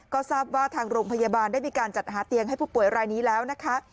ก็ทราบว่าทางโรงพยาบาลได้มีการจัดหาเตียงให้ผู้ป่วยรายนี้แล้วนะคะ